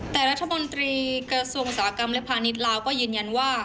แต่รัฐมนตรีกระทรวงอุตสาหกรรมและพาณิชย์ลาวก็ยืนยันว่า